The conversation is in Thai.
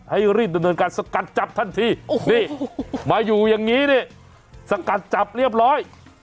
ให้รีบดำเนินการสกัดจับทันทีนี่มาอยู่อย่างนี้นี่สกัดจับเรียบร้อย